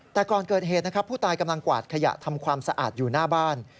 แต่ก่อนเกิดเหตุนะครับผู้ตายกำลังกวาดขยะทำความสะอาดอยู่หน้าบ้าน